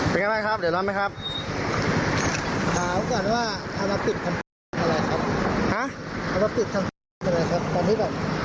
เป็นไงบ้างครับเดี๋ยวรับไหมครับถามก่อนว่าอะไรครับอะไรครับ